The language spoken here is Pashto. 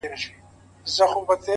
ورځي د وريځي يارانه مــاتـه كـړه ـ